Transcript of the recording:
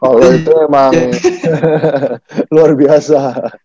kalau itu emang luar biasa